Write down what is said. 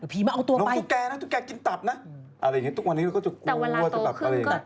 ผีมาเอาตัวน้องตุ๊กแกนะตุ๊กแกกินตับนะอะไรอย่างนี้ทุกวันนี้เราก็จะกลัวจะแบบอะไรอย่างนี้